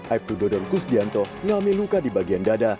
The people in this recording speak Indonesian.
aibtu dodon kusdianto mengalami luka di bagian dada